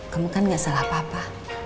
kamu kan gak salah papa